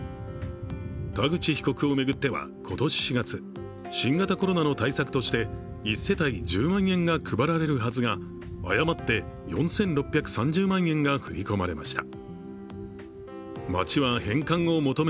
田口被告を巡っては今年４月、新型コロナの対策として１世帯１０万円が配られるはずが、誤って４６３０万円が振り込まれました。